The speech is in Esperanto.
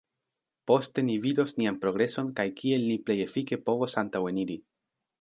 Poste ni vidos nian progreson kaj kiel ni plej efike povos antaŭeniri.